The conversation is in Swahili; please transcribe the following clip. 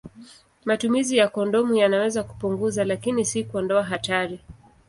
Matumizi ya kondomu yanaweza kupunguza, lakini si kuondoa hatari.